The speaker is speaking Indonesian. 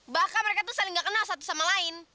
bahkan mereka tuh saling gak kenal satu sama lain